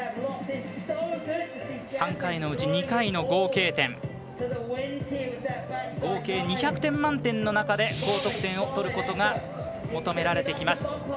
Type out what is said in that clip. ３回のうち２回の合計点合計２００点満点の中で高得点をとることが求められてきます。